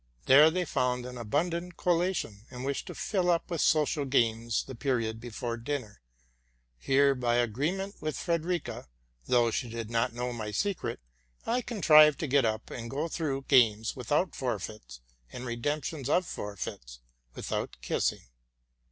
There they found an abundant collation, and wished to fill up with social games the period before dinner. Here, by agreement with Frederica, though she did not know my secret, I contrived to get up and go through games without forfeits, and redemptions of forfeits without kissing.